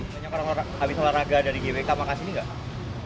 habis waraga dari gwk makasih nih enggak